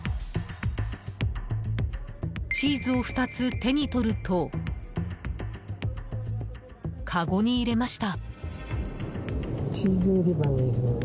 チーズを２つ手に取るとかごに入れました。